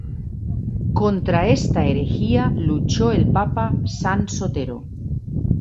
Contra esta herejía luchó el papa San Sotero.